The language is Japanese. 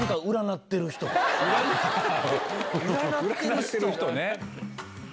占ってる人ね。